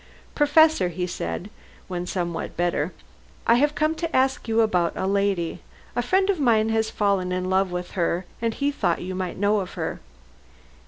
"Professor," he said, when somewhat better, "I have come to ask you about a lady. A friend of mine has fallen in love with her, and he thought you might know of her."